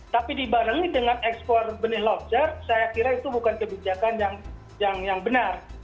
tapi dibarengi dengan ekspor benih lobster saya kira itu bukan kebijakan yang benar